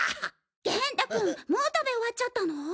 元太君もう食べ終わっちゃったの？